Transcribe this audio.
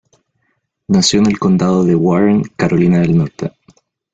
Nació en el Condado de Warren, Carolina del Norte.